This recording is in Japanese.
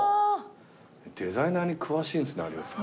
デザイナーに詳しいんですね有吉さん。